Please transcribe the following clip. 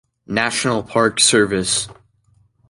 National Park Service.